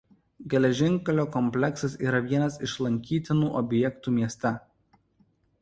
Geležinkelio kompleksas yra vienas iš lankytinų objektų mieste.